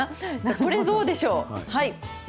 これ、どうでしょう。